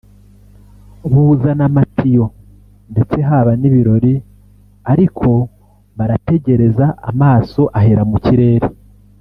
buzana amatiyo ndetse haba n’ibirori ariko barategereza amaso ahera mu kirere